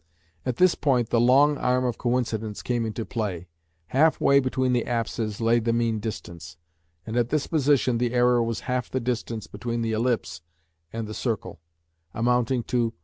At this point the "long arm of coincidence" came into play. Half way between the apses lay the mean distance, and at this position the error was half the distance between the ellipse and the circle, amounting to